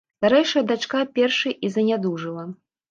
Старэйшая дачка першай і занядужала.